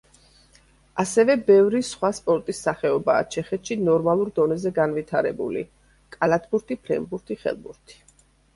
ასევე ბევრი სხვა სპორტის სახეობაა ჩეხეთში ნორმალურ დონეზე განვითარებული: კალათბურთი, ფრენბურთი, ხელბურთი.